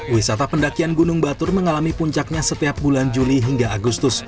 wisata pendakian gunung batur mengalami puncaknya setiap bulan juli hingga agustus